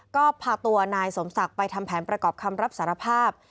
ก็พาตัวนายสมศักดิ์ไปทำแผนประกอบคำรับสารภาพ